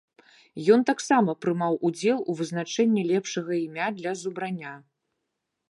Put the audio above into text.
Ён таксама прымаў удзел у вызначэнні лепшага імя для зубраня.